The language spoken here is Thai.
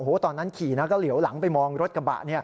โอ้โฮตอนนั้นขี่แล้วก็เหลียวหลังไปมองรถกระบะ